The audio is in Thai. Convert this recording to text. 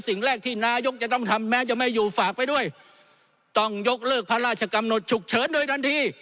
สิ่งแรกที่นายกจะต้องทำแม้จะไม่อยู่ฝากไปด้วยต้องยกเลิกพระราชกำหนดฉุกเฉินโดยทันที